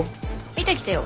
見てきてよ。